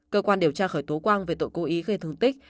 cơ quan điều tra khởi tố quang về tội cố ý gây thương tích